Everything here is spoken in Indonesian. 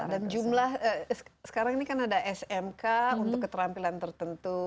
dan jumlah sekarang ini kan ada smk untuk keterampilan tertentu